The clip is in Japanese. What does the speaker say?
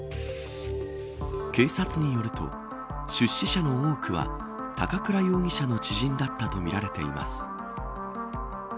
警察によると出資者の多くは高倉容疑者の知人だったとみられています。